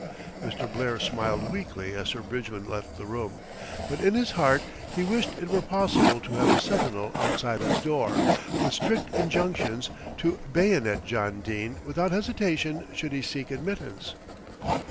Mr. Blair smiled weakly as Sir Bridgman left the room; but in his heart he wished it were possible to have a sentinel outside his door, with strict injunctions to bayonet John Dene without hesitation should he seek admittance.